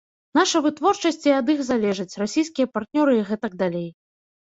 Наша вытворчасць і ад іх залежыць, расійскія партнёры і гэтак далей.